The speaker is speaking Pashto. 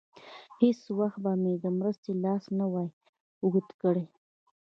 هېڅ وخت به مې د مرستې لاس نه وای اوږد کړی.